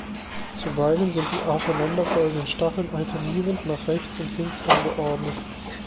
Zuweilen sind die aufeinanderfolgenden Stacheln alternierend nach rechts und links angeordnet.